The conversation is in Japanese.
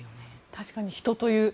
確かに、人という。